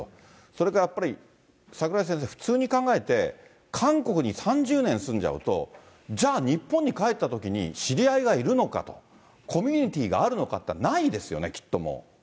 それからやっぱり、櫻井先生、普通に考えて、韓国に３０年住んじゃうと、じゃあ、日本に帰ったときに、知り合いがいるのかと、コミュニティがあるのかといったら、ないですよね、きっと、もう。